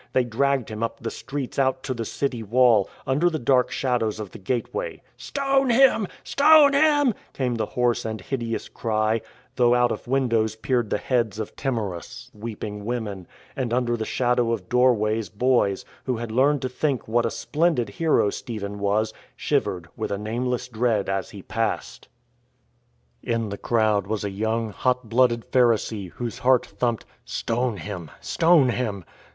They dragged him up the streets out to the city wall, under the dark shadows of the gateway. " Stone him, stone him !" came the hoarse and hideous cry, though out of windows peered the heads of timorous, weeping women, and under the shadow of doorways boys, who had learned to think what a splendid hero Stephen was, shivered with a nameless dread as he passed. SAUL CONSEXTIXG TO THE DEATH OF STEPHEN " The stones beat upon him." SCOURGE OF THE NAZARENES 73 In the crowd was a young, hot blooded Pharisee, whose heart thumped, " Stone him, stone him